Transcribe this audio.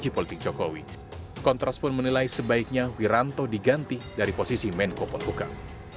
kepala divisi pemantauan impunitas kontras menilai sebaiknya wiranto diganti dari posisi menkopol hukum